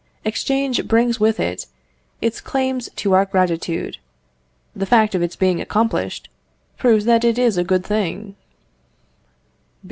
Exchange brings with it its claim to our gratitude. The fact of its being accomplished, proves that it is a good thing.